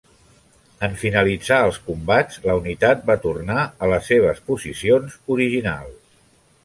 En finalitzar els combats la unitat va tornar a les seves posicions originals.